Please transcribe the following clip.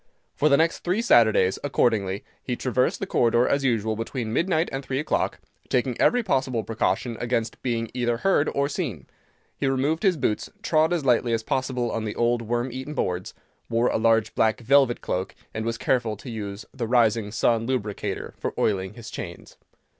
For the next three Saturdays, accordingly, he traversed the corridor as usual between midnight and three o'clock, taking every possible precaution against being either heard or seen. He removed his boots, trod as lightly as possible on the old worm eaten boards, wore a large black velvet cloak, and was careful to use the Rising Sun Lubricator for oiling his chains.